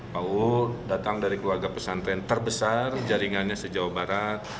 pak uu datang dari keluarga pesantren terbesar jaringannya sejauh barat